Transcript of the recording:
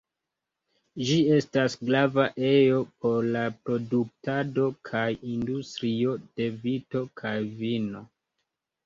Ĝi estas grava ejo por la produktado kaj industrio de vito kaj vino.